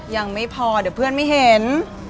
ยังไม่พอเดี๋ยวเพื่อนไม่เห็น